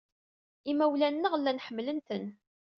Imawlan-nneɣ llan ḥemmlen-ten.